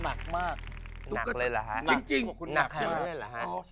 หนักอย่างไรหรอฮะ